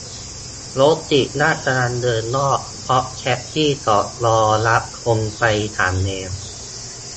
รถติดราชดำเนินนอก เพราะแท็กซี่จอดรอรับคนไปสามเลน !